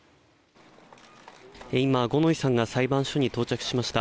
今、五ノ井さんが裁判所に到着しました。